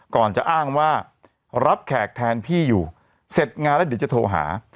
ก่อนจะอ้างว่ารับแขกแทนพี่อยู่เสร็จงานแล้วเดี๋ยวจะโทรหา